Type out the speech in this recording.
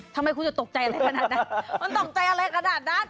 ทำไมคุณจะตกใจอะไรขนาดนั้นมันตกใจอะไรขนาดนั้น